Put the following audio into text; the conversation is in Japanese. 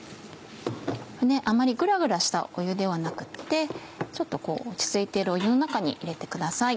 あまりぐらぐらした湯ではなくてちょっと落ち着いてる湯の中に入れてください。